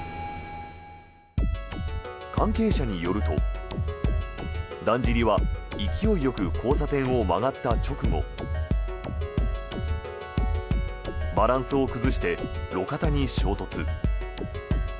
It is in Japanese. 関係者によると、だんじりは勢いよく交差点を曲がった直後バランスを崩して路肩に衝突。